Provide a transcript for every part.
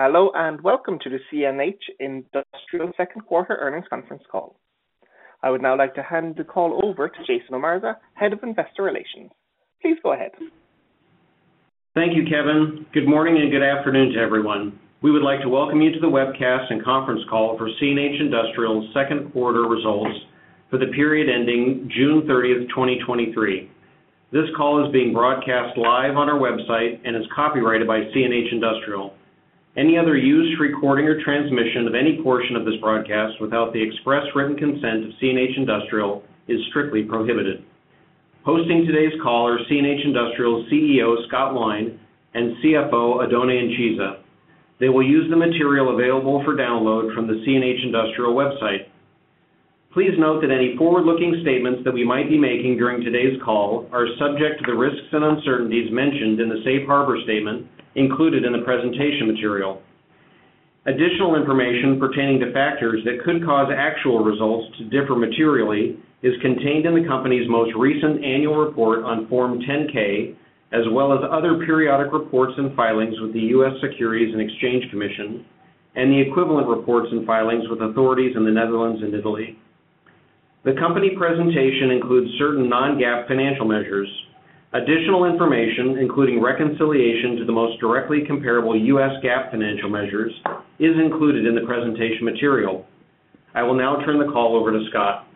Hello, and welcome to the CNH Industrial second quarter earnings conference call. I would now like to hand the call over to Jason Omerza, Head of Investor Relations. Please go ahead. Thank you, Kevin. Good morning, and good afternoon to everyone. We would like to welcome you to the webcast and conference call for CNH Industrial's second quarter results for the period ending June 30th, 2023. This call is being broadcast live on our website and is copyrighted by CNH Industrial. Any other use, recording, or transmission of any portion of this broadcast without the express written consent of CNH Industrial is strictly prohibited. Hosting today's call are CNH Industrial's CEO, Scott Wine, and CFO, Oddone Incisa. They will use the material available for download from the CNH Industrial website. Please note that any forward-looking statements that we might be making during today's call are subject to the risks and uncertainties mentioned in the safe harbor statement included in the presentation material. Additional information pertaining to factors that could cause actual results to differ materially is contained in the company's most recent annual report on Form 10-K, as well as other periodic reports and filings with the U.S. Securities and Exchange Commission, and the equivalent reports and filings with authorities in the Netherlands and Italy. The company presentation includes certain non-GAAP financial measures. Additional information, including reconciliation to the most directly comparable U.S. GAAP financial measures, is included in the presentation material. I will now turn the call over to Scott.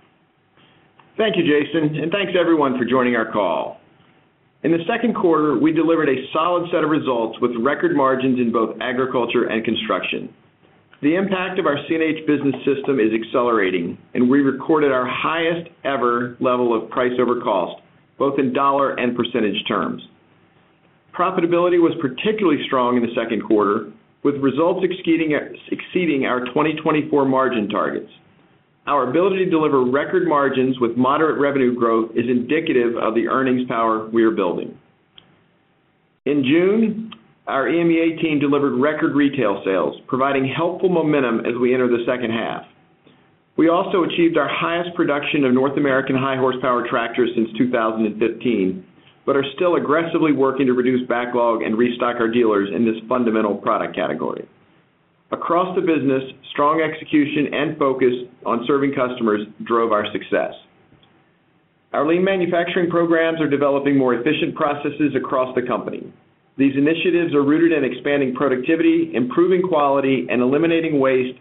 Thank you, Jason. Thanks everyone for joining our call. In the second quarter, we delivered a solid set of results with record margins in both agriculture and construction. The impact of our CNH Business System is accelerating, and we recorded our highest ever level of price over cost, both in dollar and % terms. Profitability was particularly strong in the second quarter, with results exceeding our 2024 margin targets. Our ability to deliver record margins with moderate revenue growth is indicative of the earnings power we are building. In June, our EMEA team delivered record retail sales, providing helpful momentum as we enter the second half. We also achieved our highest production of North American high horsepower tractors since 2015, but are still aggressively working to reduce backlog and restock our dealers in this fundamental product category. Across the business, strong execution and focus on serving customers drove our success. Our lean manufacturing programs are developing more efficient processes across the company. These initiatives are rooted in expanding productivity, improving quality, and eliminating waste,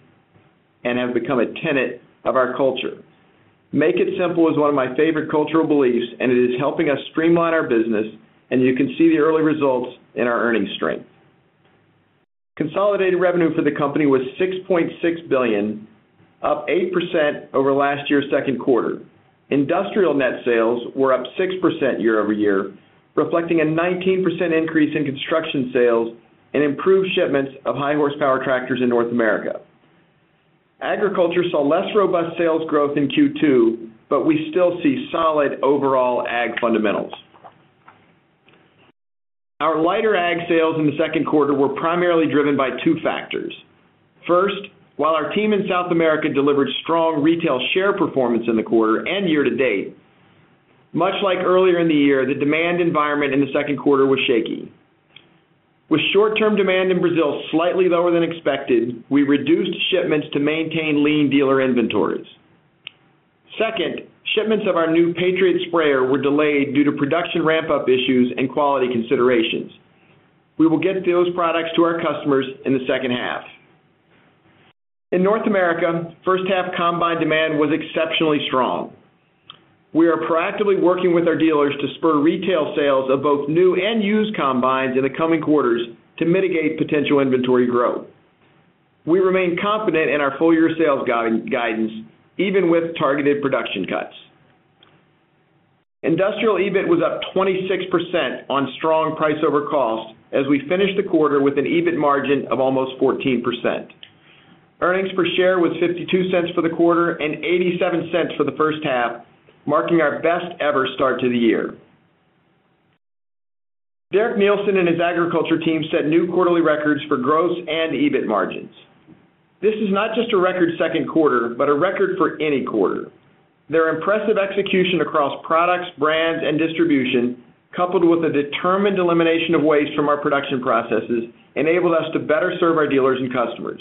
and have become a tenet of our culture. Make it simple is one of my favorite cultural beliefs, and it is helping us streamline our business, and you can see the early results in our earnings strength. Consolidated revenue for the company was $6.6 billion, up 8% over last year's second quarter. Industrial net sales were up 6% year-over-year, reflecting a 19% increase in construction sales and improved shipments of high horsepower tractors in North America. Agriculture saw less robust sales growth in Q2, but we still see solid overall ag fundamentals. Our lighter ag sales in the second quarter were primarily driven by two factors. First, while our team in South America delivered strong retail share performance in the quarter and year to date, much like earlier in the year, the demand environment in the second quarter was shaky. With short-term demand in Brazil slightly lower than expected, we reduced shipments to maintain lean dealer inventories. Second, shipments of our new Patriot sprayer were delayed due to production ramp-up issues and quality considerations. We will get those products to our customers in the second half. In North America, first half combine demand was exceptionally strong. We are proactively working with our dealers to spur retail sales of both new and used combines in the coming quarters to mitigate potential inventory growth. We remain confident in our full-year sales guidance, even with targeted production cuts. Industrial EBIT was up 26% on strong price over costs as we finished the quarter with an EBIT margin of almost 14%. Earnings per share was $0.52 for the quarter and $0.87 for the first half, marking our best ever start to the year. Derek Neilson and his agriculture team set new quarterly records for gross and EBIT margins. This is not just a record second quarter, but a record for any quarter. Their impressive execution across products, brands, and distribution, coupled with a determined elimination of waste from our production processes, enabled us to better serve our dealers and customers.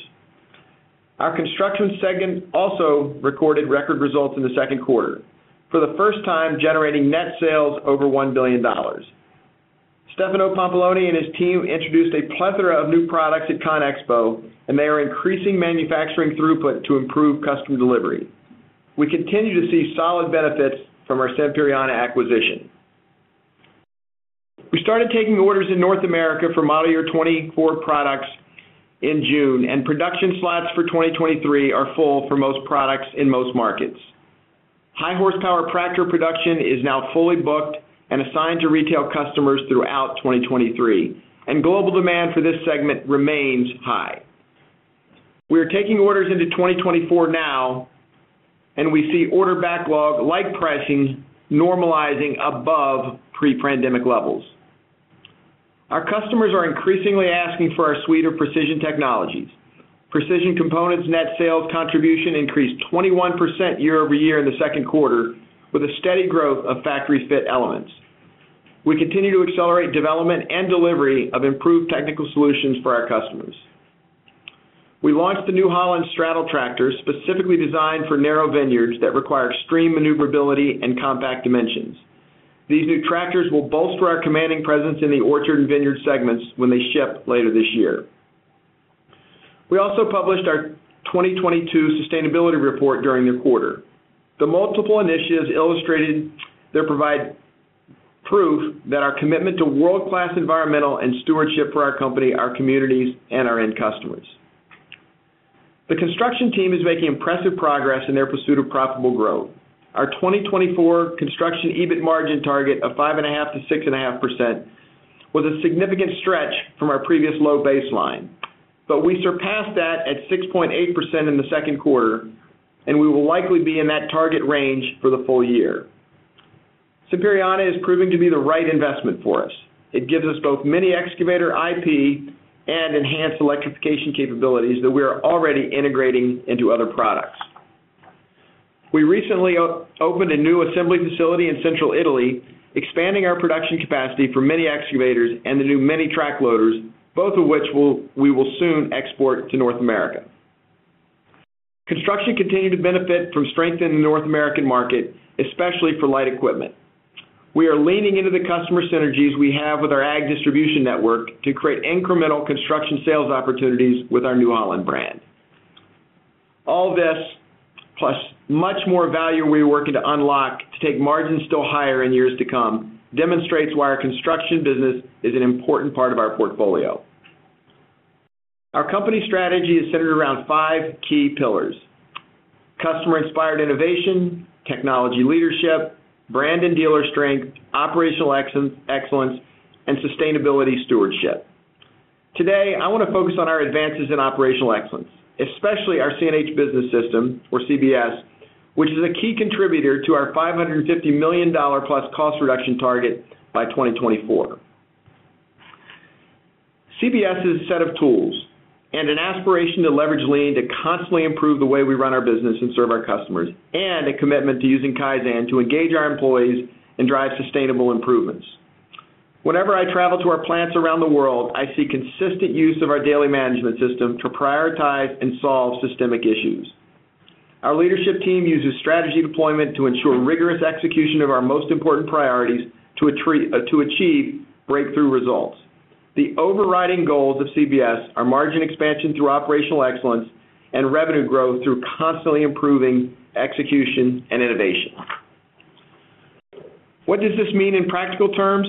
Our construction segment also recorded record results in the second quarter, for the first time generating net sales over $1 billion. Stefano Pampalone and his team introduced a plethora of new products at CONEXPO, they are increasing manufacturing throughput to improve customer delivery. We continue to see solid benefits from our Sampierana acquisition. We started taking orders in North America for model year 2024 products in June, production slots for 2023 are full for most products in most markets. High horsepower tractor production is now fully booked and assigned to retail customers throughout 2023, global demand for this segment remains high. We are taking orders into 2024 now, we see order backlog light pricing normalizing above pre-pandemic levels. Our customers are increasingly asking for our suite of precision technologies. Precision components net sales contribution increased 21% year-over-year in the second quarter, with a steady growth of factory fit elements. We continue to accelerate development and delivery of improved technical solutions for our customers. We launched the New Holland straddle tractors, specifically designed for narrow vineyards that require extreme maneuverability and compact dimensions. These new tractors will bolster our commanding presence in the orchard and vineyard segments when they ship later this year. We also published our 2022 sustainability report during the quarter. The multiple initiatives illustrated that provide proof that our commitment to world-class environmental and stewardship for our company, our communities, and our end customers. The construction team is making impressive progress in their pursuit of profitable growth. Our 2024 construction EBIT margin target of 5.5%-6.5% was a significant stretch from our previous low baseline, but we surpassed that at 6.8% in the second quarter, and we will likely be in that target range for the full year. Sampierana is proving to be the right investment for us. It gives us both mini excavator IP and enhanced electrification capabilities that we are already integrating into other products. We recently opened a new assembly facility in central Italy, expanding our production capacity for mini excavators and the new mini track loaders, both of which we will soon export to North America. Construction continued to benefit from strength in the North American market, especially for light equipment. We are leaning into the customer synergies we have with our ag distribution network to create incremental construction sales opportunities with our New Holland brand. All this, plus much more value we are working to unlock to take margins still higher in years to come, demonstrates why our construction business is an important part of our portfolio. Our company strategy is centered around five key pillars: customer-inspired innovation, technology leadership, brand and dealer strength, operational excellence, and sustainability stewardship. Today, I want to focus on our advances in operational excellence, especially our CNH Business System, or CBS, which is a key contributor to our $550 million+ cost reduction target by 2024. CBS is a set of tools and an aspiration to leverage lean to constantly improve the way we run our business and serve our customers, and a commitment to using Kaizen to engage our employees and drive sustainable improvements. Whenever I travel to our plants around the world, I see consistent use of our daily management system to prioritize and solve systemic issues. Our leadership team uses strategy deployment to ensure rigorous execution of our most important priorities to achieve breakthrough results. The overriding goals of CBS are margin expansion through operational excellence and revenue growth through constantly improving execution and innovation. What does this mean in practical terms?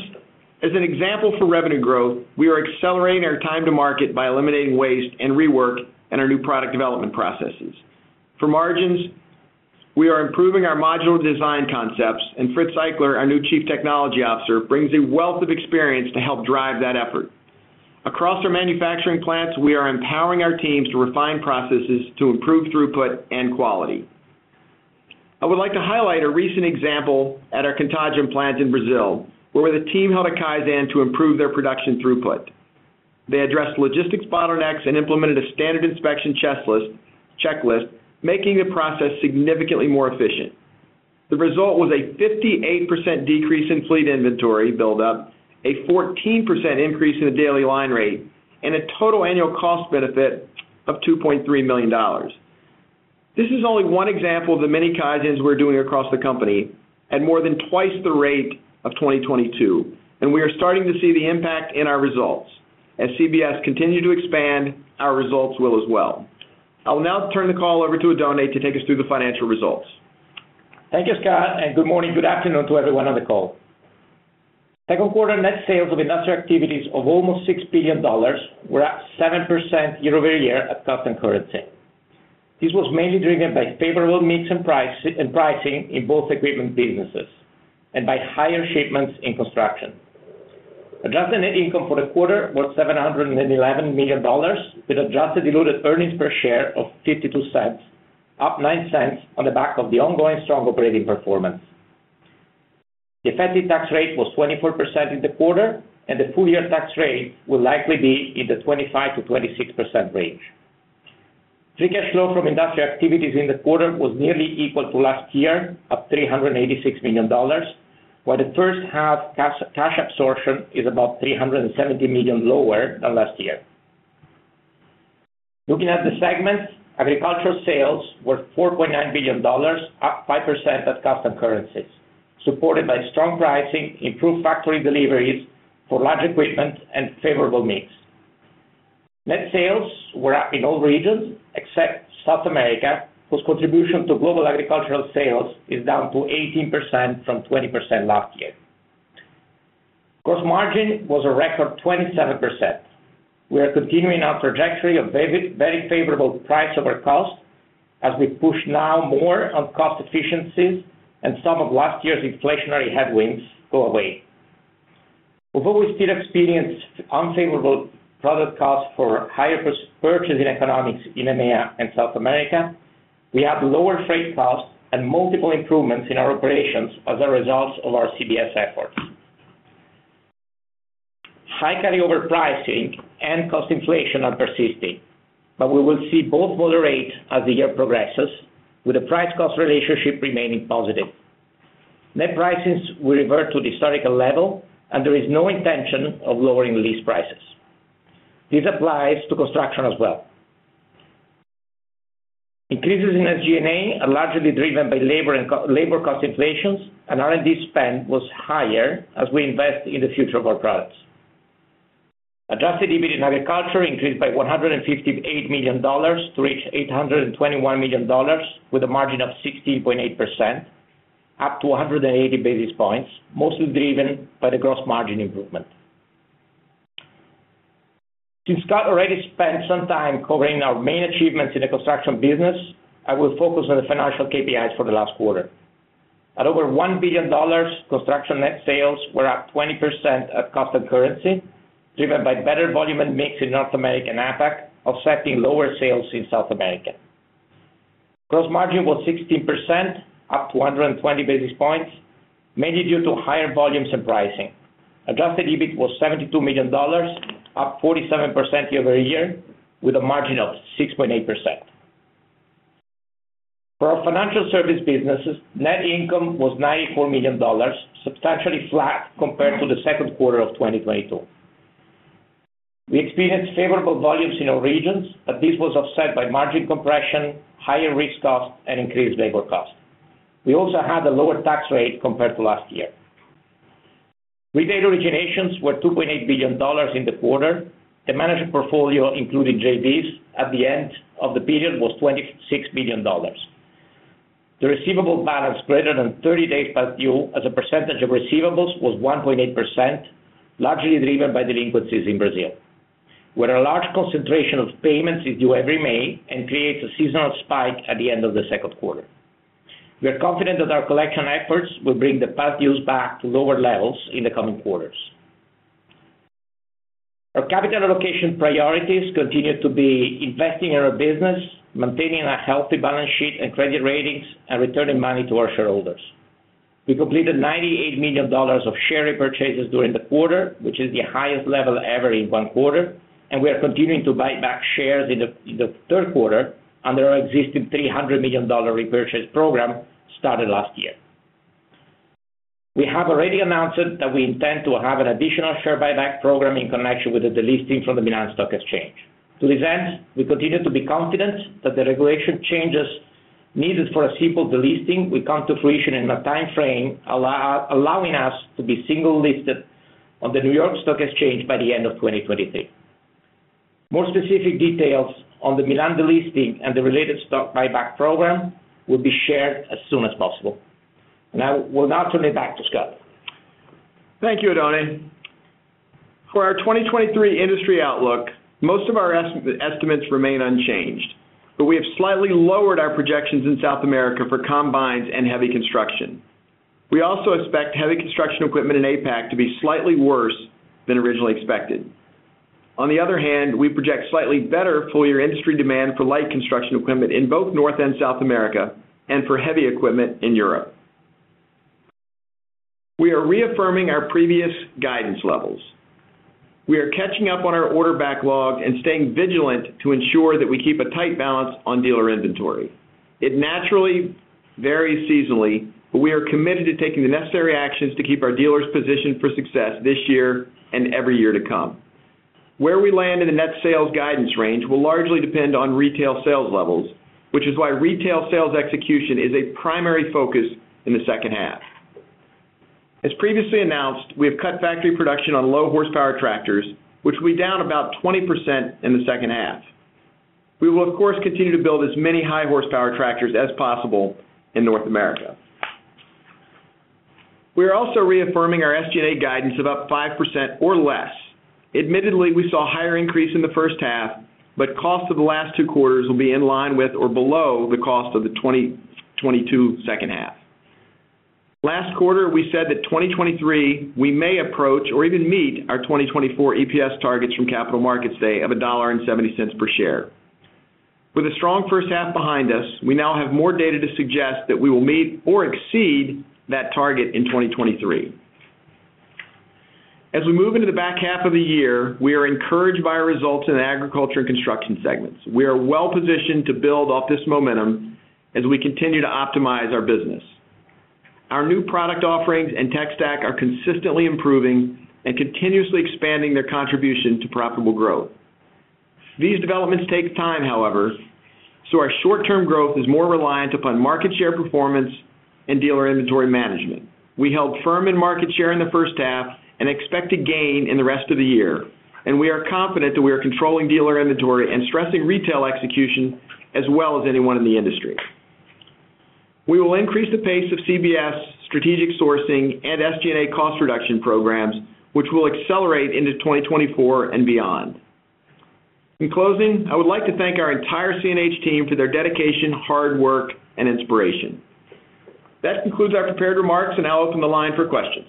As an example for revenue growth, we are accelerating our time to market by eliminating waste and rework in our new product development processes. For margins, we are improving our modular design concepts, and Friedrich Eichler, our new Chief Technology Officer, brings a wealth of experience to help drive that effort. Across our manufacturing plants, we are empowering our teams to refine processes to improve throughput and quality. I would like to highlight a recent example at our Contagem plant in Brazil, where the team held a Kaizen to improve their production throughput. They addressed logistics bottlenecks and implemented a standard inspection checklist, making the process significantly more efficient. The result was a 58% decrease in fleet inventory buildup, a 14% increase in the daily line rate, and a total annual cost benefit of $2.3 million. This is only one example of the many Kaizens we're doing across the company at more than twice the rate of 2022, and we are starting to see the impact in our results. As CBS continue to expand, our results will as well. I'll now turn the call over to Oddone to take us through the financial results. Thank you, Scott, and good morning. Good afternoon to everyone on the call. Second quarter net sales of industrial activities of almost $6 billion were up 7% year-over-year at constant currency. This was mainly driven by favorable mix and price, and pricing in both equipment businesses, and by higher shipments in construction. Adjusted net income for the quarter was $711 million, with adjusted diluted earnings per share of $0.52, up $0.09 on the back of the ongoing strong operating performance. The effective tax rate was 24% in the quarter, and the full year tax rate will likely be in the 25%-26% range. Free cash flow from industrial activities in the quarter was nearly equal to last year, up $386 million, while the first half cash, cash absorption is about $370 million lower than last year. Looking at the segments, agricultural sales were $4.9 billion, up 5% at constant currency, supported by strong pricing, improved factory deliveries for large equipment and favorable mix. Net sales were up in all regions except South America, whose contribution to global agricultural sales is down to 18% from 20% last year. Gross margin was a record 27%. We are continuing our trajectory of very, very favorable price over cost as we push now more on cost efficiencies and some of last year's inflationary headwinds go away. Although we still experienced unfavorable product costs for higher purchasing economics in EMEA and South America, we have lower freight costs and multiple improvements in our operations as a result of our CBS efforts. High carryover pricing and cost inflation are persisting, but we will see both moderate as the year progresses, with the price-cost relationship remaining positive. Net prices will revert to the historical level, and there is no intention of lowering lease prices. This applies to construction as well. Increases in SG&A are largely driven by labor and co-labor cost inflations, and R&D spend was higher as we invest in the future of our products. Adjusted EBIT in Agriculture increased by $158 million to reach $821 million, with a margin of 60.8%, up to 180 basis points, mostly driven by the gross margin improvement. Since Scott already spent some time covering our main achievements in the construction business, I will focus on the financial KPIs for the last quarter. At over $1 billion, construction net sales were up 20% at constant currency, driven by better volume and mix in North America and APAC, offsetting lower sales in South America. Gross margin was 16%, up to 120 basis points, mainly due to higher volumes and pricing. Adjusted EBIT was $72 million, up 47% year-over-year, with a margin of 6.8%. For our financial service businesses, net income was $94 million, substantially flat compared to the second quarter of 2022. We experienced favorable volumes in all regions, but this was offset by margin compression, higher risk costs, and increased labor costs. We also had a lower tax rate compared to last year. Retail originations were $2.8 billion in the quarter. The management portfolio, including JVs, at the end of the period, was $26 billion. The receivable balance greater than 30 days past due as a percentage of receivables was 1.8%, largely driven by delinquencies in Brazil, where a large concentration of payments is due every May and creates a seasonal spike at the end of the second quarter. We are confident that our collection efforts will bring the past dues back to lower levels in the coming quarters. Our capital allocation priorities continue to be investing in our business, maintaining a healthy balance sheet and credit ratings, and returning money to our shareholders. We completed $98 million of share repurchases during the quarter, which is the highest level ever in one quarter, and we are continuing to buy back shares in the third quarter under our existing $300 million repurchase program started last year. We have already announced that we intend to have an additional share buyback program in connection with the delisting from the Milan Stock Exchange. To this end, we continue to be confident that the regulation changes needed for a simple delisting will come to fruition in a timeframe allowing us to be single listed on the New York Stock Exchange by the end of 2023. More specific details on the Milan delisting and the related stock buyback program will be shared as soon as possible. I will now turn it back to Scott. Thank you, Oddone. For our 2023 industry outlook, most of our estimates remain unchanged, but we have slightly lowered our projections in South America for combines and heavy construction. We also expect heavy construction equipment in APAC to be slightly worse than originally expected. On the other hand, we project slightly better full year industry demand for light construction equipment in both North and South America, and for heavy equipment in Europe. We are reaffirming our previous guidance levels. We are catching up on our order backlog and staying vigilant to ensure that we keep a tight balance on dealer inventory. It naturally varies seasonally, but we are committed to taking the necessary actions to keep our dealers positioned for success this year and every year to come. Where we land in the net sales guidance range will largely depend on retail sales levels, which is why retail sales execution is a primary focus in the second half. As previously announced, we have cut factory production on low horsepower tractors, which will be down about 20% in the second half. We will, of course, continue to build as many high horsepower tractors as possible in North America. We are also reaffirming our SG&A guidance of up 5% or less. Admittedly, we saw a higher increase in the first half, cost of the last two quarters will be in line with or below the cost of the 2022 second half. Last quarter, we said that 2023, we may approach or even meet our 2024 EPS targets from Capital Markets Day of $1.70 per share. With a strong first half behind us, we now have more data to suggest that we will meet or exceed that target in 2023. As we move into the back half of the year, we are encouraged by our results in the agriculture and construction segments. We are well positioned to build off this momentum as we continue to optimize our business. Our new product offerings and tech stack are consistently improving and continuously expanding their contribution to profitable growth. These developments take time, however. Our short-term growth is more reliant upon market share performance and dealer inventory management. We held firm in market share in the first half and expect to gain in the rest of the year. We are confident that we are controlling dealer inventory and stressing retail execution as well as anyone in the industry. We will increase the pace of CBS, strategic sourcing, and SG&A cost reduction programs, which will accelerate into 2024 and beyond. In closing, I would like to thank our entire CNH team for their dedication, hard work, and inspiration. That concludes our prepared remarks, now I'll open the line for questions.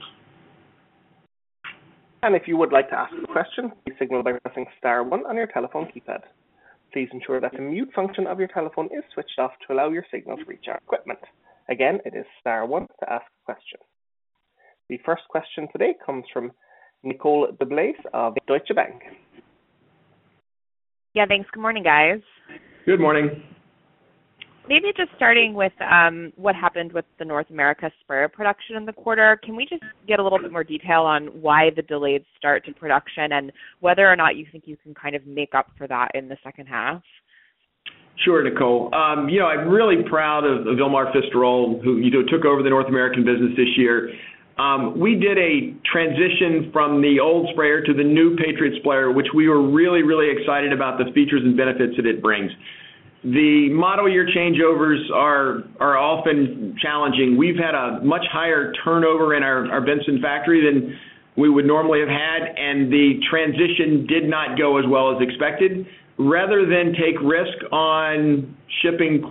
If you would like to ask a question, please signal by pressing star one on your telephone keypad.... Please ensure that the mute function of your telephone is switched off to allow your signal to reach our equipment. Again, it is star one to ask a question. The first question today comes from Nicole DeBlase of Deutsche Bank. Yeah, thanks. Good morning, guys. Good morning. Maybe just starting with, what happened with the North America sprayer production in the quarter. Can we just get a little bit more detail on why the delayed start to production and whether or not you think you can kind of make up for that in the second half? Sure, Nicole. You know, I'm really proud of, of Vilmar Fistarol, who, you know, took over the North American business this year. We did a transition from the old sprayer to the new Patriot sprayer, which we were really, really excited about the features and benefits that it brings. The model year changeovers are, are often challenging. We've had a much higher turnover in our, our Benson factory than we would normally have had, and the transition did not go as well as expected. Rather than take risk on shipping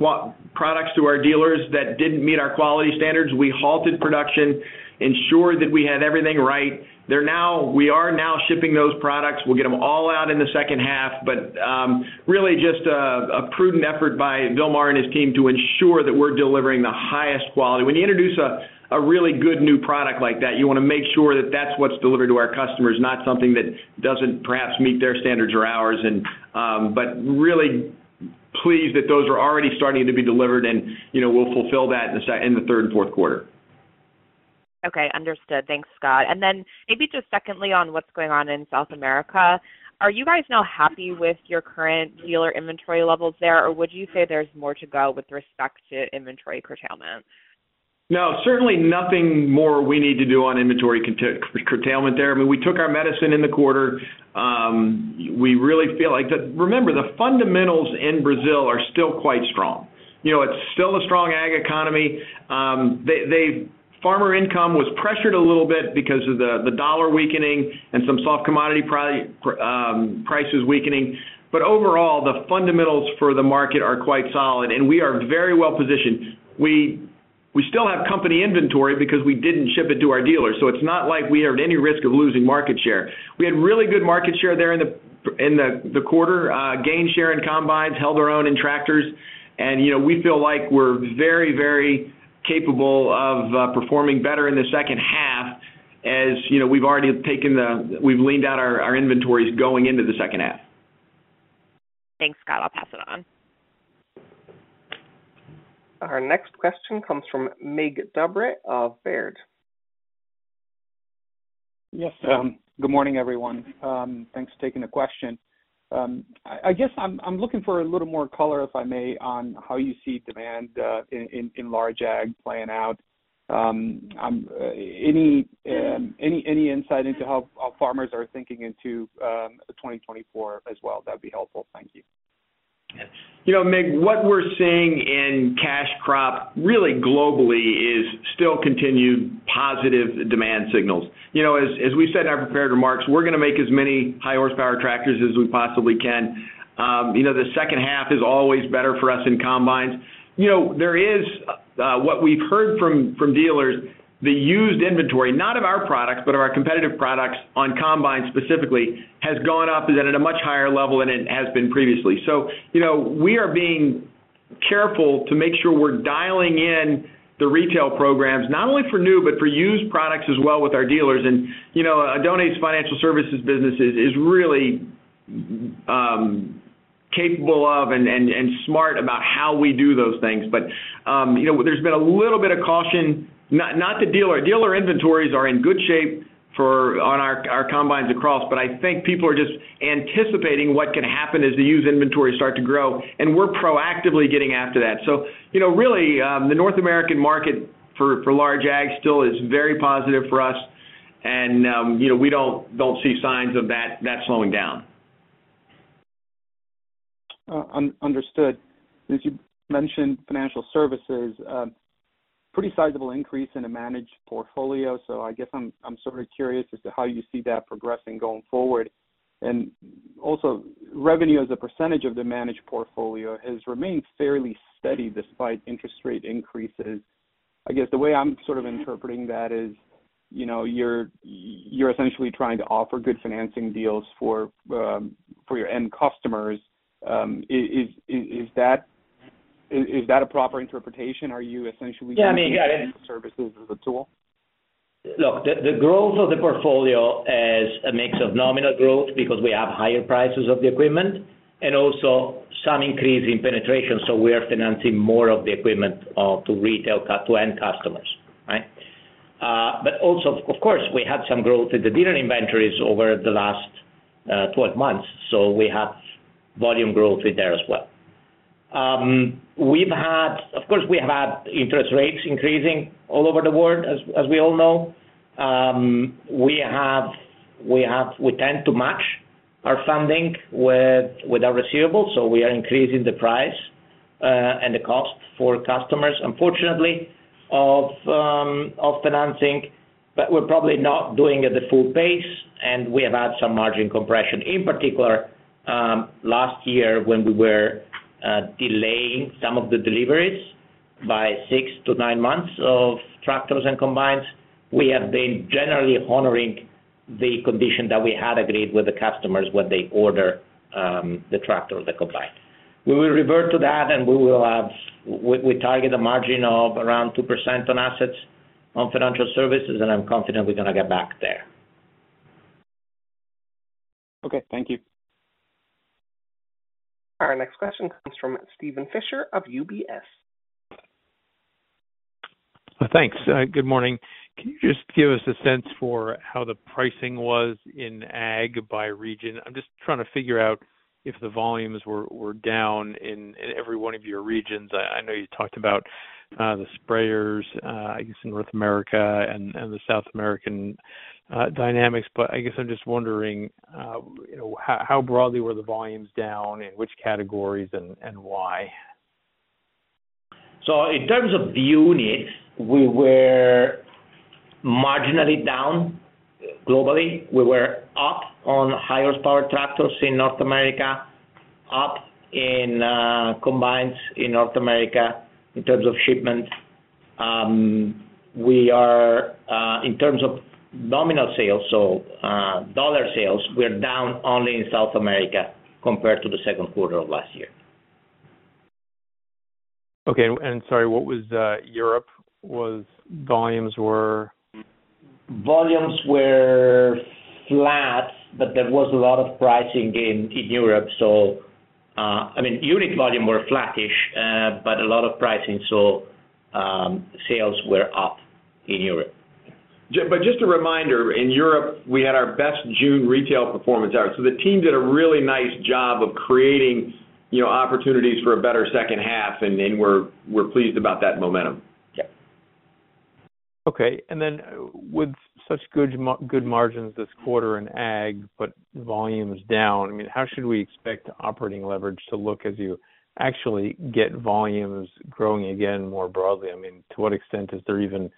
products to our dealers that didn't meet our quality standards, we halted production, ensured that we had everything right. We are now shipping those products. We'll get them all out in the second half, but, really just a, a prudent effort by Vilmar and his team to ensure that we're delivering the highest quality. When you introduce a, a really good new product like that, you wanna make sure that that's what's delivered to our customers, not something that doesn't perhaps meet their standards or ours. But really pleased that those are already starting to be delivered, and, you know, we'll fulfill that in the third and fourth quarter. Okay, understood. Thanks, Scott. Maybe just secondly, on what's going on in South America, are you guys now happy with your current dealer inventory levels there? Or would you say there's more to go with respect to inventory curtailment? No, certainly nothing more we need to do on inventory curtailment there. I mean, we took our medicine in the quarter. We really feel like the... Remember, the fundamentals in Brazil are still quite strong. You know, it's still a strong ag economy. Farmer income was pressured a little bit because of the, the dollar weakening and some soft commodity prices weakening. Overall, the fundamentals for the market are quite solid, and we are very well positioned. We still have company inventory because we didn't ship it to our dealers, so it's not like we are at any risk of losing market share. We had really good market share there in the, in the, the quarter, gained share in combines, held our own in tractors, and, you know, we feel like we're very, very capable of performing better in the second half, as, you know, we've already taken we've leaned out our, our inventories going into the second half. Thanks, Scott. I'll pass it on. Our next question comes from Mig Dobre of Baird. Yes, good morning, everyone. Thanks for taking the question. I, I guess I'm, I'm looking for a little more color, if I may, on how you see demand, in, in, in large ag playing out. Any, any insight into how, how farmers are thinking into 2024 as well? That'd be helpful. Thank you. You know, Mig, what we're seeing in cash crop, really globally, is still continued positive demand signals. You know, as, as we said in our prepared remarks, we're gonna make as many high horsepower tractors as we possibly can. You know, the second half is always better for us in combines. You know, there is, what we've heard from, from dealers, the used inventory, not of our products, but of our competitive products on combines specifically, has gone up and is at a much higher level than it has been previously. You know, we are being careful to make sure we're dialing in the retail programs, not only for new, but for used products as well with our dealers. You know, Oddone's Financial Services business is, is really, capable of and, and, and smart about how we do those things. You know, there's been a little bit of caution, not, not to dealer inventories are in good shape for on our, our combines across, but I think people are just anticipating what can happen as the used inventories start to grow, and we're proactively getting after that. You know, really, the North American market for, for large ag still is very positive for us. You know, we don't, don't see signs of that, that slowing down. Understood. As you mentioned, financial services, pretty sizable increase in a managed portfolio. I guess I'm, I'm sort of curious as to how you see that progressing going forward. Also, revenue as a percentage of the managed portfolio has remained fairly steady despite interest rate increases. I guess the way I'm sort of interpreting that is, you know, you're, you're essentially trying to offer good financing deals for your end customers. Is that a proper interpretation? Are you essentially- Yeah, I mean, yeah. using financial services as a tool? Look, the, the growth of the portfolio is a mix of nominal growth because we have higher prices of the equipment and also some increase in penetration, so we are financing more of the equipment to retail to end customers, right? Also, of course, we had some growth in the dealer inventories over the last 12 months, so we have volume growth in there as well. Of course, we have had interest rates increasing all over the world, as, as we all know. We tend to match our funding with, with our receivables, so we are increasing the price and the cost for customers, unfortunately, of financing, but we're probably not doing at the full pace, and we have had some margin compression. In particular, last year, when we were delaying some of the deliveries by 6 to 9 months of tractors and combines. We have been generally honoring the condition that we had agreed with the customers when they order, the tractor or the combine. We will revert to that. We target a margin of around 2% on assets on Financial Services, and I'm confident we're gonna get back there. Okay, thank you. Our next question comes from Steven Fisher of UBS. Thanks. good morning. Can you just give us a sense for how the pricing was in ag by region? I'm just trying to figure out if the volumes were, were down in, in every one of your regions. I, I know you talked about the sprayers, I guess, in North America and the South American dynamics. I guess I'm just wondering, you know, how, how broadly were the volumes down, in which categories and, and why? In terms of the units, we were marginally down globally. We were up on higher power tractors in North America, up in combines in North America in terms of shipment. We are in terms of nominal sales, so dollar sales, we're down only in South America compared to the second quarter of last year. Okay. Sorry, what was Europe? Was volumes were? Volumes were flat, but there was a lot of pricing in Europe. I mean, unit volume were flattish, but a lot of pricing, so, sales were up in Europe. Just a reminder, in Europe, we had our best June retail performance out. The team did a really nice job of creating, you know, opportunities for a better second half, and then we're, we're pleased about that momentum. Yeah. Okay. Then with such good margins this quarter in ag, but volumes down, I mean, how should we expect operating leverage to look as you actually get volumes growing again more broadly? I mean, to what extent is there even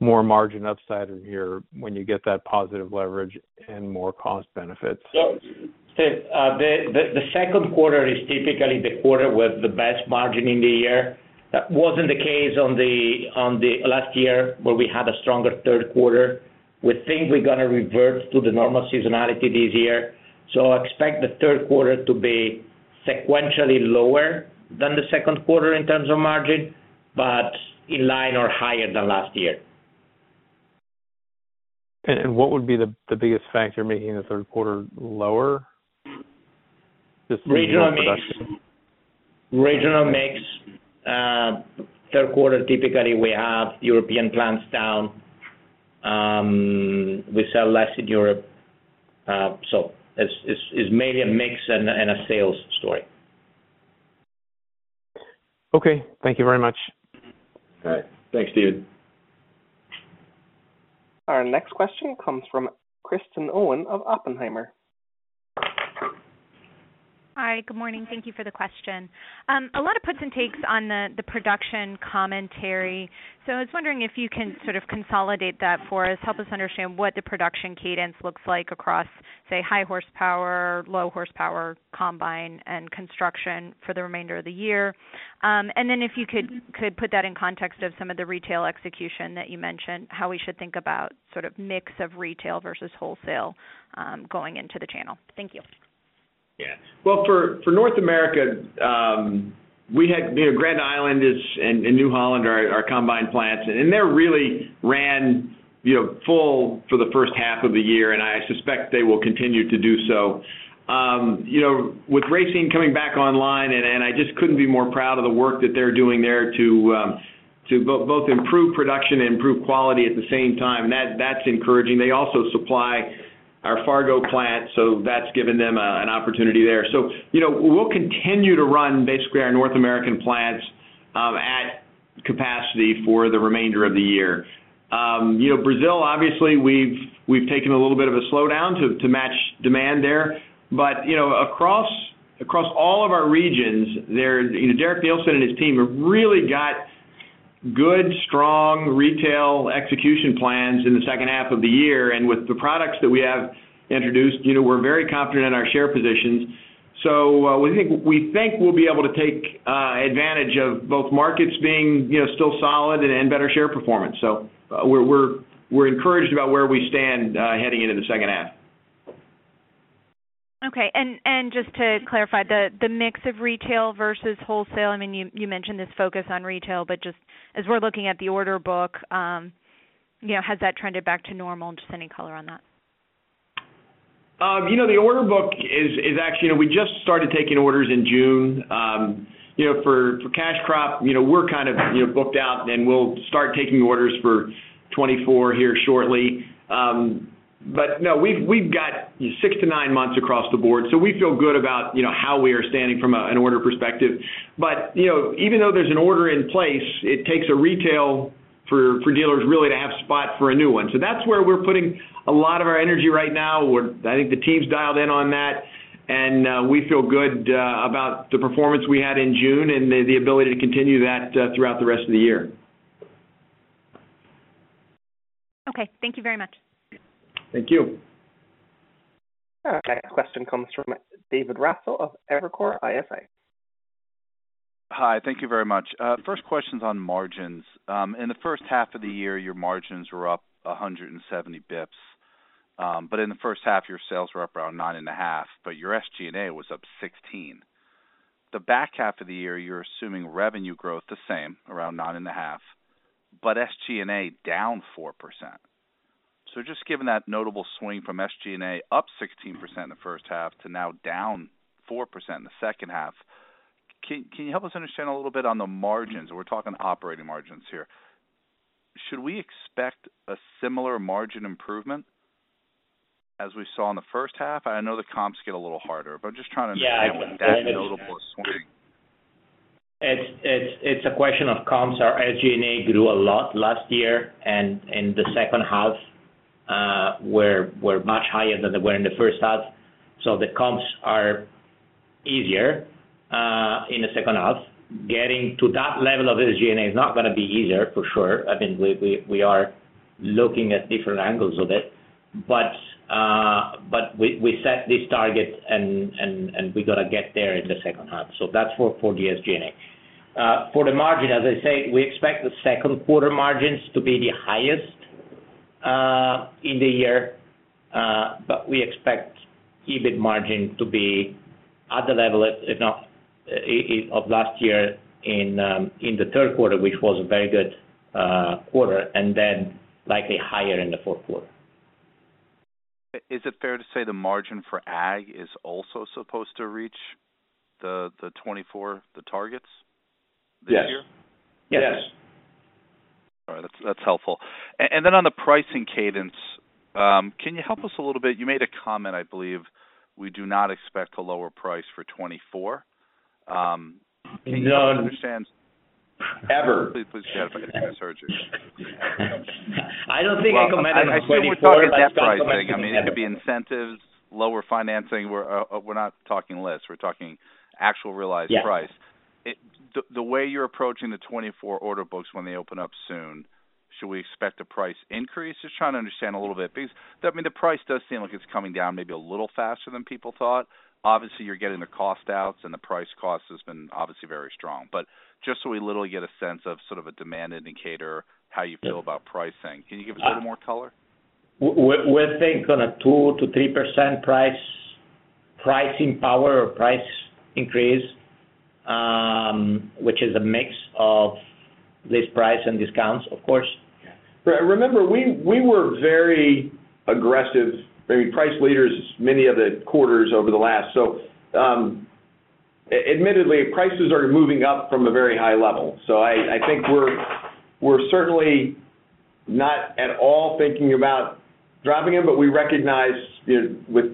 more margin upside in here when you get that positive leverage and more cost benefits? Steve, the second quarter is typically the quarter with the best margin in the year. That wasn't the case on the last year, where we had a stronger third quarter. We think we're gonna revert to the normal seasonality this year. Expect the third quarter to be sequentially lower than the second quarter in terms of margin, but in line or higher than last year. And what would be the, the biggest factor making the third quarter lower? Regional mix. Regional mix. Third quarter, typically, we have European plants down. We sell less in Europe. It's, it's, it's mainly a mix and a, and a sales story. Okay. Thank you very much. All right. Thanks, Steve. Our next question comes from Kristen Owen of Oppenheimer. Hi, good morning. Thank you for the question. A lot of puts and takes on the, the production commentary. I was wondering if you can sort of consolidate that for us, help us understand what the production cadence looks like across, say, high horsepower, low horsepower, combine, and construction for the remainder of the year. If you could, could put that in context of some of the retail execution that you mentioned, how we should think about sort of mix of retail versus wholesale, going into the channel. Thank you. Yeah. Well, for, for North America, we had, you know, Grand Island is, and New Holland are our combine plants, and they're really ran, you know, full for the first half of the year, and I suspect they will continue to do so. you know, with Racine coming back online, and I just couldn't be more proud of the work that they're doing there to, to both improve production and improve quality at the same time. That's encouraging. They also supply our Fargo plant, that's given them an opportunity there. you know, we'll continue to run basically our North American plants, at capacity for the remainder of the year. you know, Brazil, obviously, we've, we've taken a little bit of a slowdown to, to match demand there. You know, across, across all of our regions, there, Derek Neilson and his team have really got good, strong retail execution plans in the second half of the year. With the products that we have introduced, you know, we're very confident in our share positions. We think, we think we'll be able to take advantage of both markets being, you know, still solid and, and better share performance. We're, we're, we're encouraged about where we stand, heading into the second half. Okay. Just to clarify, the mix of retail versus wholesale, I mean, you, you mentioned this focus on retail, but just as we're looking at the order book, you know, has that trended back to normal? Just any color on that. you know, the order book is, is actually. We just started taking orders in June. you know, for, for cash crop, you know, we're kind of, you know, booked out, and we'll start taking orders for 2024 here shortly. No, we've, we've got 6-9 months across the board, so we feel good about, you know, how we are standing from an order perspective. you know, even though there's an order in place, it takes a retail for, for dealers really to have spot for a new one. That's where we're putting a lot of our energy right now, where I think the team's dialed in on that, and we feel good about the performance we had in June and the ability to continue that throughout the rest of the year. Okay, thank you very much. Thank you. Our next question comes from David Raso of Evercore ISI. Hi, thank you very much. First question's on margins. In the first half of the year, your margins were up 170 bips. In the first half, your sales were up around 9.5%, but your SG&A was up 16%. The back half of the year, you're assuming revenue growth the same, around 9.5%, but SG&A down 4%. Just given that notable swing from SG&A up 16% in the first half to now down 4% in the second half, can, can you help us understand a little bit on the margins? We're talking operating margins here. Should we expect a similar margin improvement as we saw in the first half? I know the comps get a little harder, but I'm just trying to understand. Yeah. That notable swing. It's a question of comps. Our SG&A grew a lot last year, and in the second half, we're much higher than they were in the first half. The comps are easier in the second half. Getting to that level of SG&A is not gonna be easier, for sure. I mean, we are looking at different angles of it. We set this target and we're gonna get there in the second half. That's for the SG&A. For the margin, as I said, we expect the second quarter margins to be the highest in the year. We expect EBIT margin to be at the level of, if not, of last year in the third quarter, which was a very good quarter, and then likely higher in the fourth quarter. Is it fair to say the margin for ag is also supposed to reach the 24, the targets this year? Yes. Yes. All right. That's, that's helpful. Then on the pricing cadence, can you help us a little bit? You made a comment, I believe, we do not expect a lower price for 2024. No. Understand? Ever. Please, please forget I ever said you. I don't think I commented on 24. I assume we're talking net pricing. I mean, it could be incentives, lower financing. We're not talking less, we're talking actual realized price. Yeah. The, the way you're approaching the 2024 order books when they open up soon, should we expect a price increase? Just trying to understand a little bit, because, I mean, the price does seem like it's coming down maybe a little faster than people thought. Obviously, you're getting the cost outs. The price cost has been obviously very strong. Just so we literally get a sense of sort of a demand indicator, how you feel about pricing, can you give a little more color? we're thinking on a 2-3% price, pricing power or price increase, which is a mix of list price and discounts, of course. Yeah. Remember, we, we were very aggressive, I mean, price leaders, many of the quarters over the last... Admittedly, prices are moving up from a very high level. I, I think we're, we're certainly not at all thinking about dropping it, but we recognize, you know, with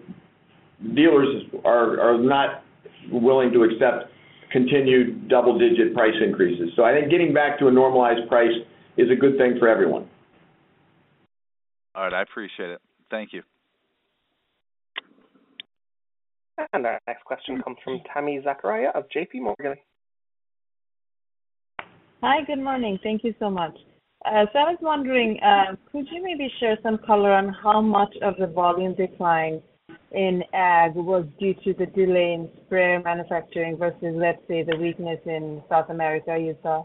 dealers are, are not willing to accept continued double-digit price increases. I think getting back to a normalized price is a good thing for everyone. All right, I appreciate it. Thank you. Our next question comes from Tami Zakaria of J.P. Morgan. Hi, good morning. Thank you so much. I was wondering, could you maybe share some color on how much of the volume decline in ag was due to the delay in sprayer manufacturing versus, let's say, the weakness in South America you saw?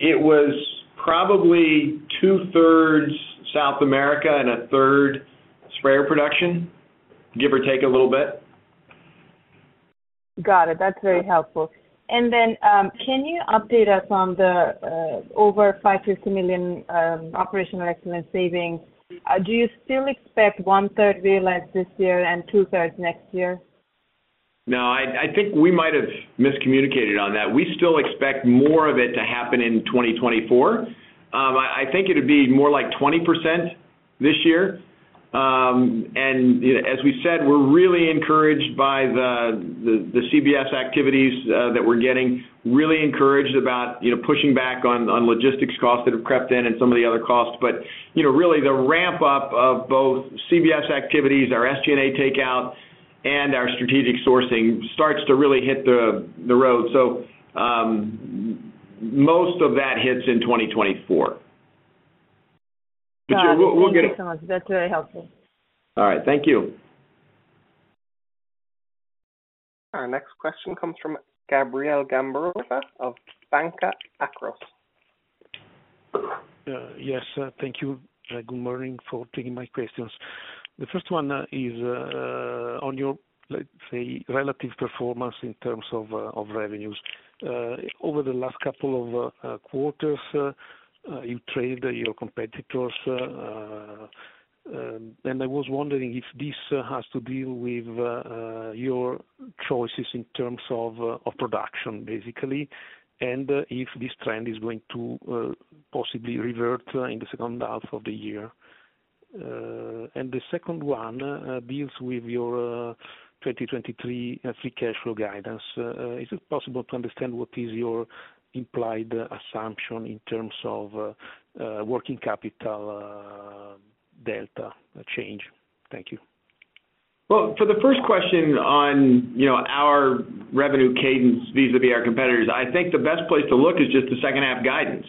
It was probably two-thirds South America and a third sprayer production, give or take a little bit. Got it. That's very helpful. Then, can you update us on the, over $550 million, operational excellence savings? Do you still expect one-third realized this year and two-thirds next year? No, I, I think we might have miscommunicated on that. We still expect more of it to happen in 2024. I, I think it'd be more like 20% this year. You know, as we said, we're really encouraged by the, the, the CBS activities that we're getting. Really encouraged about, you know, pushing back on, on logistics costs that have crept in and some of the other costs. You know, really the ramp-up of both CBS activities, our SG&A takeout, and our strategic sourcing starts to really hit the, the road. Most of that hits in 2024. We'll, we'll get it- Got it. Thank you so much. That's very helpful. All right. Thank you. Our next question comes from Gabriele Gambarova of Banca Akros. Yes, thank you, good morning, for taking my questions. The first one is on your, let's say, relative performance in terms of revenues. Over the last couple of quarters, you trailed your competitors, and I was wondering if this has to do with your choices in terms of production, basically, and if this trend is going to possibly revert in the second half of the year. The second one deals with your 2023 free cash flow guidance. Is it possible to understand what is your implied assumption in terms of working capital delta change? Thank you. Well, for the first question on, you know, our revenue cadence visas via our competitors, I think the best place to look is just the second half guidance.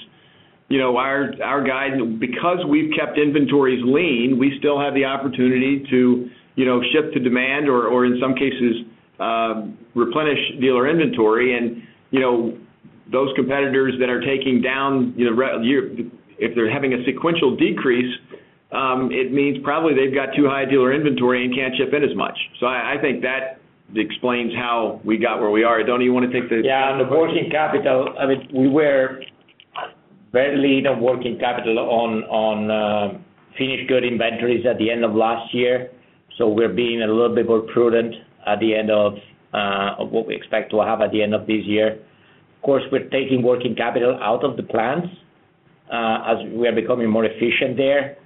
You know, our, our guide, because we've kept inventories lean, we still have the opportunity to, you know, ship to demand or, or in some cases, replenish dealer inventory. You know, those competitors that are taking down, you know, if they're having a sequential decrease, it means probably they've got too high dealer inventory and can't ship in as much. I, I think that explains how we got where we are. Tony, you wanna take the. Yeah, on the working capital, I mean, we were barely in a working capital on, on finished good inventories at the end of last year. We're being a little bit more prudent at the end of what we expect to have at the end of this year. Of course, we're taking working capital out of the plans as we are becoming more efficient there.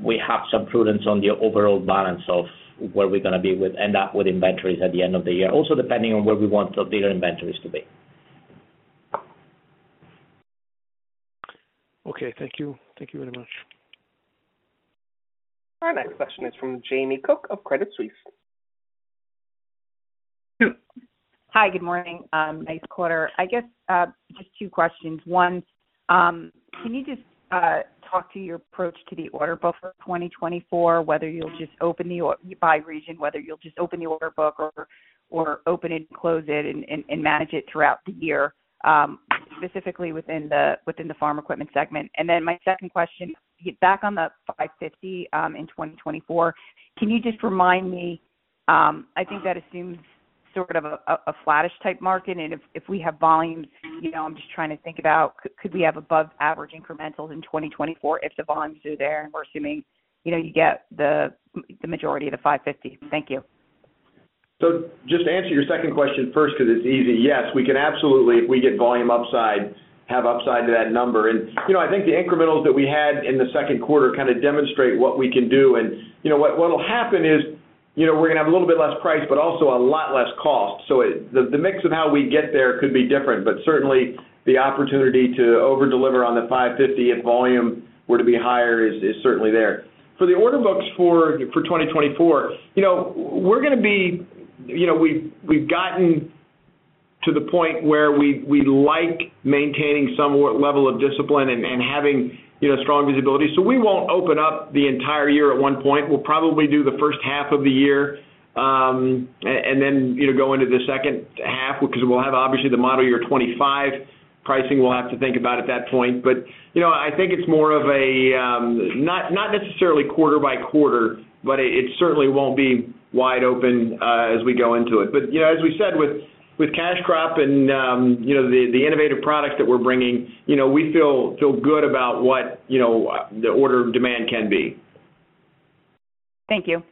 We have some prudence on the overall balance of where we're gonna end up with inventories at the end of the year. Also, depending on where we want the dealer inventories to be. Okay, thank you. Thank you very much. Our next question is from Jamie Cook of Credit Suisse. Hi, good morning. Nice quarter. I guess, just two questions. One, can you just talk to your approach to the order buffer 2024, whether you'll just open the by region, whether you'll just open the order book or open it and close it and manage it throughout the year, specifically within the farm equipment segment? My second question, back on the 550, in 2024, can you just remind me, I think that assumes sort of a flattish type market, and if we have volumes, you know, I'm just trying to think about, could we have above average incrementals in 2024 if the volumes are there, and we're assuming, you know, you get the majority of the 550? Thank you. Just to answer your second question first, because it's easy. Yes, we can absolutely, if we get volume upside, have upside to that number. You know, I think the incrementals that we had in the second quarter kind of demonstrate what we can do. You know, what, what will happen is, you know, we're gonna have a little bit less price, but also a lot less cost. The mix of how we get there could be different, but certainly, the opportunity to overdeliver on the 550 if volume were to be higher is certainly there. For the order books for 2024, you know, we're gonna be. You know, we've gotten to the point where we like maintaining somewhat level of discipline and having, you know, strong visibility. We won't open up the entire year at one point. We'll probably do the first half of the year, and then, you know, go into the second half, because we'll have obviously the model year 25. Pricing, we'll have to think about at that point. You know, I think it's more of a, not, not necessarily quarter by quarter, but it, it certainly won't be wide open as we go into it. You know, as we said, with, with cash crop and, you know, the, the innovative products that we're bringing, you know, we feel, feel good about what, you know, the order demand can be. Thank you.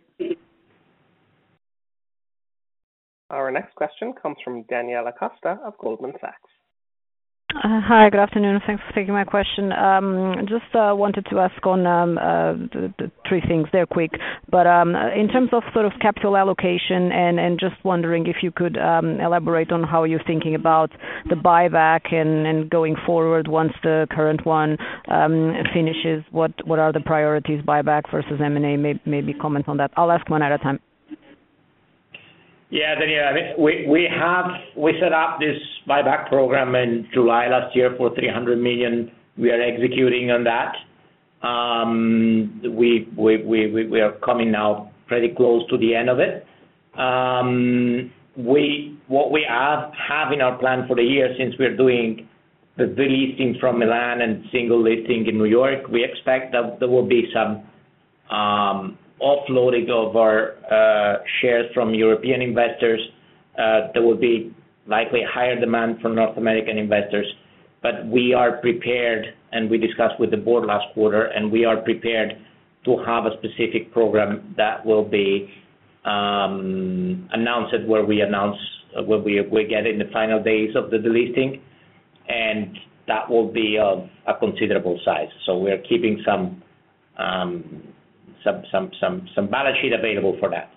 Our next question comes from Daniela Costa of Goldman Sachs. Hi, good afternoon. Thanks for taking my question. Just wanted to ask on 3 things, they're quick. In terms of sort of capital allocation and, and just wondering if you could elaborate on how you're thinking about the buyback and, and going forward once the current one finishes, what, what are the priorities, buyback versus M&A? Maybe comment on that. I'll ask one at a time. Yeah, Daniela, I think we set up this buyback program in July last year for $300 million. We are executing on that. We, we, we, we are coming now pretty close to the end of it. What we have, have in our plan for the year, since we're doing the delisting from Milan and single listing in New York, we expect that there will be some offloading of our shares from European investors. There will be likely higher demand from North American investors. We are prepared, and we discussed with the board last quarter, and we are prepared to have a specific program that will be announced at where we announce, where we are getting the final days of the delisting, and that will be of a considerable size. We're keeping some, some, some, some, some balance sheet available for that.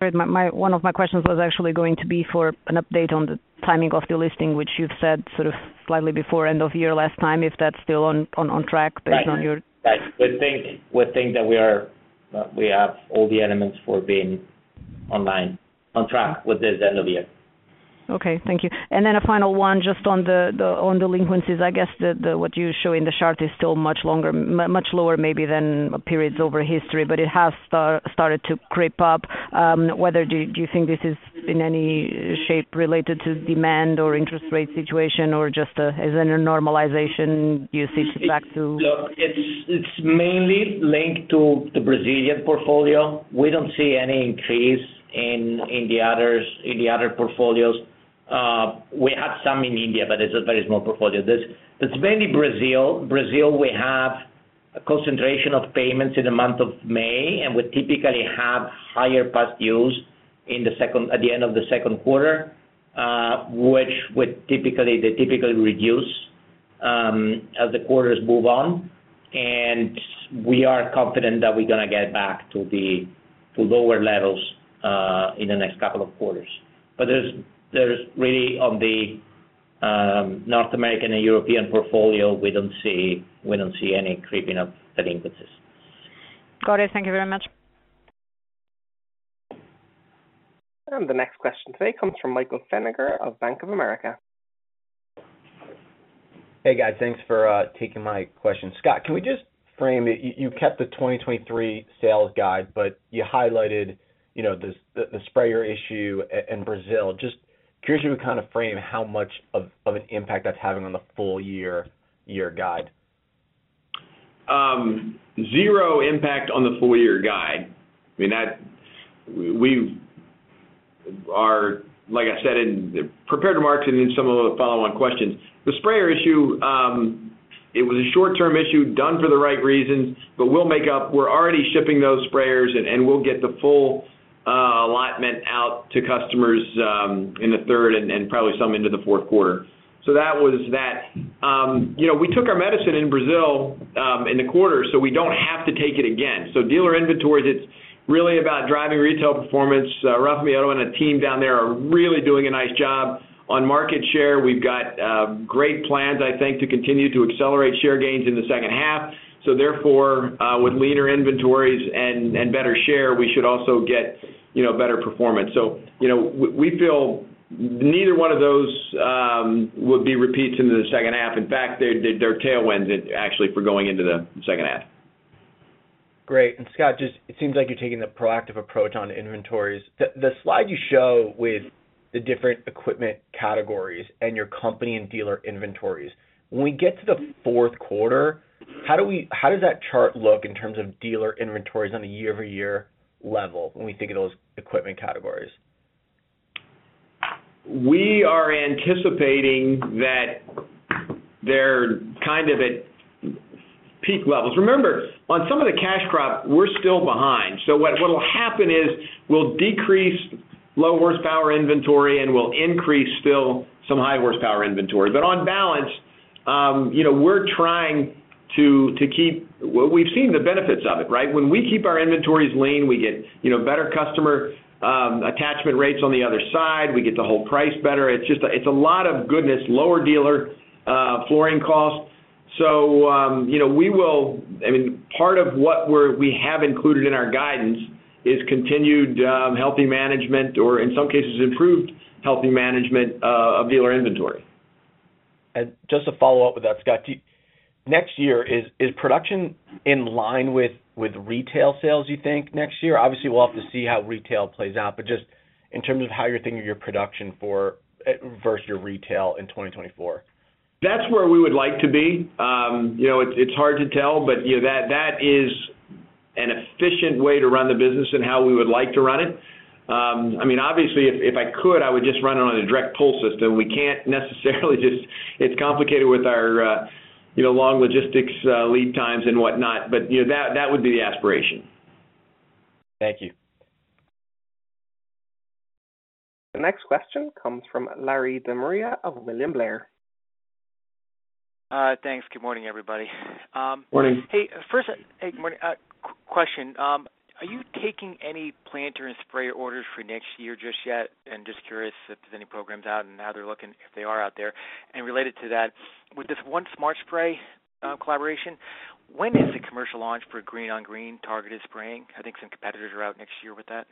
Great. My one of my questions was actually going to be for an update on the timing of the listing, which you've said sort of slightly before end of year last time, if that's still on track based on your. Right. We think, we think that we are, we have all the elements for being online, on track with this end of the year. Okay, thank you. Then a final one, just on the, on delinquencies. I guess the, what you show in the chart is still much longer, much lower, maybe than periods over history, but it has started to creep up. Whether do you think this is in any shape related to demand or interest rate situation, or just as in a normalization, you see back to? Look, it's, it's mainly linked to the Brazilian portfolio. We don't see any increase in, in the others, in the other portfolios. We have some in India, but it's a very small portfolio. It's mainly Brazil. Brazil, we have a concentration of payments in the month of May, and we typically have higher past dues at the end of the second quarter, which would typically, they typically reduce as the quarters move on. We are confident that we're gonna get back to the, to lower levels in the next couple of quarters. There's really on the North American and European portfolio, we don't see, we don't see any creeping up delinquencies. Got it. Thank you very much. The next question today comes from Michael Feniger of Bank of America. Hey, guys. Thanks for taking my question. Scott, can we just frame it? You, you kept the 2023 sales guide, but you highlighted, you know, the sprayer issue in Brazil. Just curious, you would kind of frame how much of an impact that's having on the full year guide? Zero impact on the full year guide. Like I said, in prepared remarks and in some of the follow-on questions, the sprayer issue, it was a short-term issue, done for the right reasons, but we'll make up. We're already shipping those sprayers, and we'll get the full allotment out to customers in the third and probably some into the fourth quarter. That was that. You know, we took our medicine in Brazil in the quarter, so we don't have to take it again. Dealer inventories, it's really about driving retail performance. Rafael and the team down there are really doing a nice job on market share. We've got great plans, I think, to continue to accelerate share gains in the second half. Therefore, with leaner inventories and, and better share, we should also get, you know, better performance. You know, we feel neither one of those would be repeats into the second half. In fact, they're tailwinds actually, for going into the second half. Great. Scott, just it seems like you're taking the proactive approach on inventories. The slide you show with the different equipment categories and your company and dealer inventories, when we get to the fourth quarter, how does that chart look in terms of dealer inventories on a year-over-year level when we think of those equipment categories? We are anticipating that they're kind of at peak levels. Remember, on some of the cash crop, we're still behind. What'll happen is we'll decrease low horsepower inventory, and we'll increase still some high horsepower inventory. But on balance, you know, we're trying to keep... We've seen the benefits of it, right? When we keep our inventories lean, we get, you know, better customer attachment rates on the other side. We get to hold price better. It's just a lot of goodness, lower dealer flooring costs. You know, I mean, part of what we have included in our guidance is continued healthy management or in some cases improved healthy management of dealer inventory. Just to follow up with that, Scott, next year, is production in line with retail sales, you think, next year? Obviously, we'll have to see how retail plays out, but just in terms of how you're thinking of your production for, versus your retail in 2024. That's where we would like to be. You know, it's, it's hard to tell, but, you know, that, that is an efficient way to run the business and how we would like to run it. I mean, obviously, if, if I could, I would just run it on a direct pull system. We can't necessarily just... It's complicated with our, you know, long logistics, lead times and whatnot. You know, that, that would be the aspiration. Thank you. The next question comes from Larry DeMaria of William Blair. Thanks. Good morning, everybody. Morning. Hey, first, hey, morning. Question, are you taking any planter and sprayer orders for next year just yet? Just curious if there's any programs out and how they're looking, if they are out there. Related to that, with this ONE SMART SPRAY collaboration, when is the commercial launch for green-on-green targeted spraying? I think some competitors are out next year with that.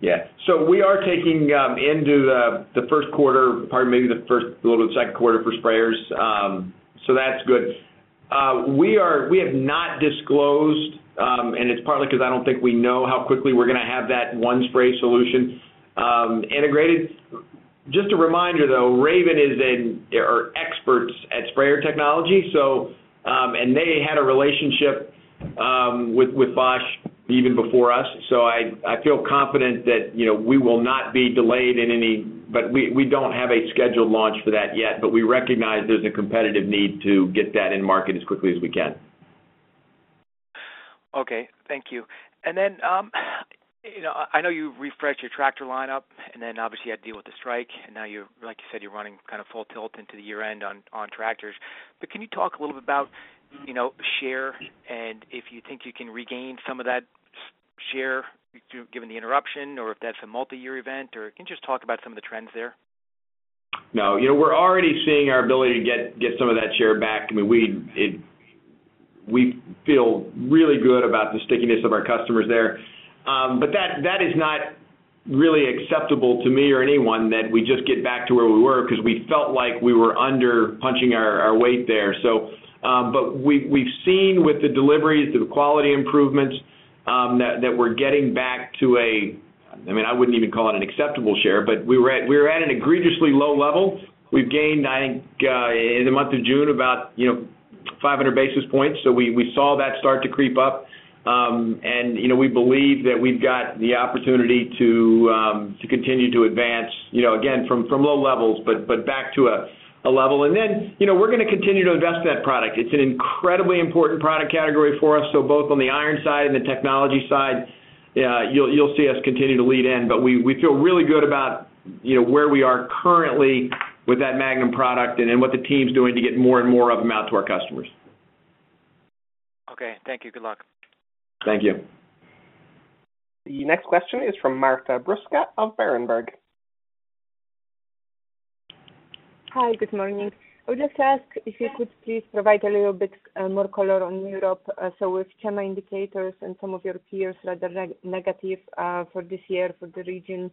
Yeah. We are taking into the 1st quarter, probably maybe the 1st, a little bit of 2nd quarter for sprayers. That's good. We are- we have not disclosed, and it's partly because I don't think we know how quickly we're gonna have that ONE SMART SPRAY solution integrated. Just a reminder, though, Raven is an- are experts at sprayer technology, and they had a relationship with Bosch even before us. I, I feel confident that, you know, we will not be delayed in any... We, we don't have a scheduled launch for that yet, but we recognize there's a competitive need to get that in market as quickly as we can. Okay. Thank you. Then, you know, I know you've refreshed your tractor lineup, and then obviously, you had to deal with the strike, and now you're, like you said, you're running kind of full tilt into the year end on, on tractors. Can you talk a little bit about, you know, share and if you think you can regain some of that share, given the interruption, or if that's a multi-year event, or can you just talk about some of the trends there? No, you know, we're already seeing our ability to get, get some of that share back. I mean, we feel really good about the stickiness of our customers there. That, that is not really acceptable to me or anyone, that we just get back to where we were, because we felt like we were under punching our, our weight there. We've, we've seen with the deliveries, the quality improvements, that, that we're getting back to a- I mean, I wouldn't even call it an acceptable share, but we were at, we were at an egregiously low level. We've gained, I think, in the month of June, about, you know, 500 basis points. We, we saw that start to creep up. You know, we believe that we've got the opportunity to, to continue to advance, you know, again, from, from low levels, but, but back to a, a level. Then, you know, we're gonna continue to invest in that product. It's an incredibly important product category for us, so both on the iron side and the technology side, you'll, you'll see us continue to lead in. We, we feel really good about, you know, where we are currently with that Magnum product and then what the team's doing to get more and more of them out to our customers. Okay, thank you. Good luck. Thank you. The next question is from Marta Bruska of Berenberg. Hi, good morning. I would just ask if you could please provide a little bit more color on Europe. With channel indicators and some of your peers that are negative for this year for the region,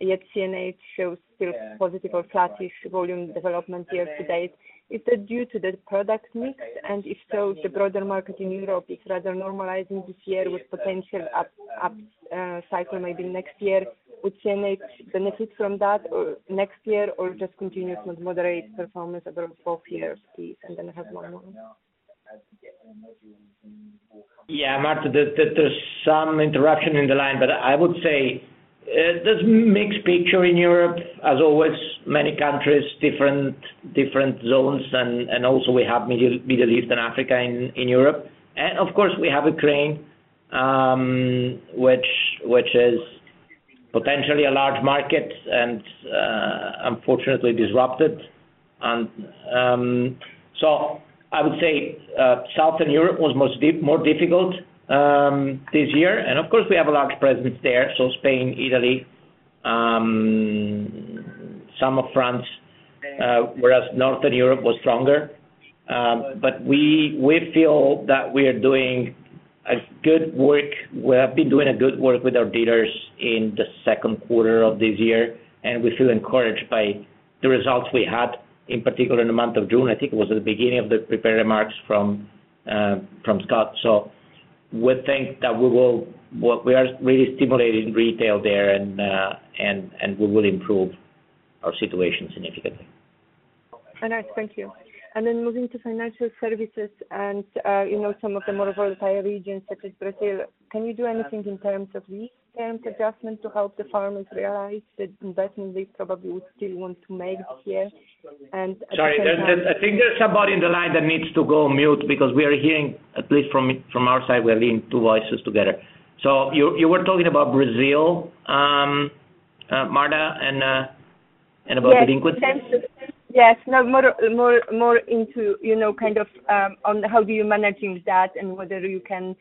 yet CNH shows still positive or flattish volume development year to date. Is that due to the product mix? If so, the broader market in Europe is rather normalizing this year with potential up, up cycle maybe next year. Would CNH benefit from that, or next year, or just continue with moderate performance over both years, please? I have one more. Yeah, Marta, there's some interruption in the line, I would say, there's mixed picture in Europe. As always, many countries, different, different zones, also we have Middle East and Africa in Europe. Of course we have Ukraine, which is potentially a large market and, unfortunately disrupted. I would say, Southern Europe was more difficult this year. Of course we have a large presence there, so Spain, Italy, some of France, whereas Northern Europe was stronger. We feel that we are doing a good work. We have been doing a good work with our dealers in the second quarter of this year, and we feel encouraged by the results we had, in particular in the month of June. I think it was at the beginning of the prepared remarks from, from Scott. We think that we are really stimulating retail there, and, and, and we will improve our situation significantly. I know. Thank you. Then moving to financial services and, you know, some of the more volatile regions such as Brazil, can you do anything in terms of lease term adjustment to help the farmers realize the investment they probably would still want to make here? And- Sorry, there, there, I think there's somebody in the line that needs to go on mute because we are hearing, at least from, from our side, we are hearing two voices together. You, you were talking about Brazil, Martha, and about the liquid? Yes. No, more, more, more into, you know, kind of, on how do you managing that, and whether you can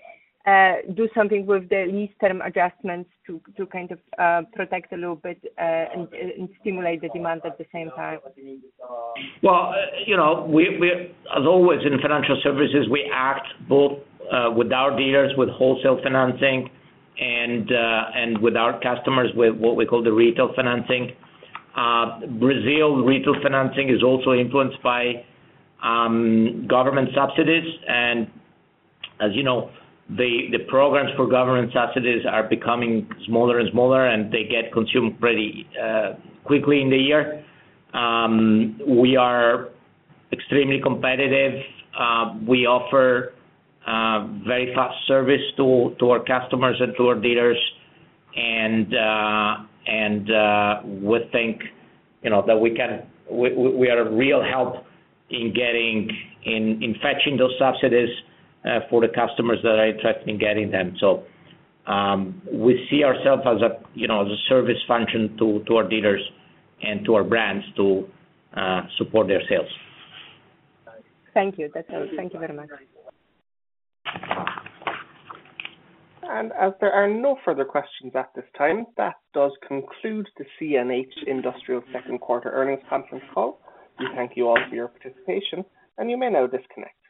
do something with the lease term adjustments to kind of protect a little bit and stimulate the demand at the same time. Well, you know, we, we, as always, in financial services, we act both with our dealers, with wholesale financing and with our customers, with what we call the retail financing. Brazil retail financing is also influenced by government subsidies. As you know, the programs for government subsidies are becoming smaller and smaller, and they get consumed pretty quickly in the year. We are extremely competitive. We offer very fast service to our customers and to our dealers. We think, you know, that we can... We are a real help in getting, in fetching those subsidies for the customers that are interested in getting them. We see ourself as a, you know, as a service function to our dealers and to our brands to support their sales. Thank you. That's all. Thank you very much. As there are no further questions at this time, that does conclude the CNH Industrial second quarter earnings conference call. We thank you all for your participation, and you may now disconnect.